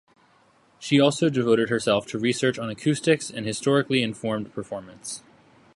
She also devoted herself to research on acoustics and Historically informed performance.